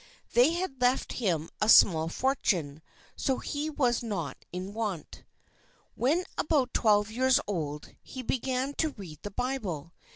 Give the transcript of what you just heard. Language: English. They had left him a small fortune, so he was not in want. When about twelve years old, he began to read the Bible.